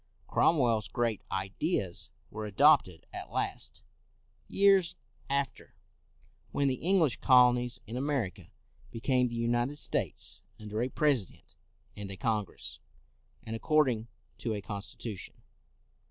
Cromwell's great ideas were adopted at last, years after, when the English colonies in America became the United States, under a President and a Congress, and according to a constitution.